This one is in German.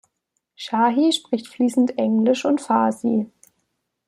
Shahi spricht fließend Englisch und Farsi.